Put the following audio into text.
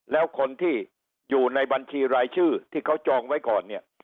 แล้วคนที่อยู่ในบัญชีรายชื่อที่เขาจองไว้ก่อนเนี่ย